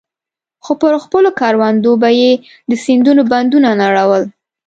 خو پر خپلو کروندو به يې د سيندونو بندونه نړول.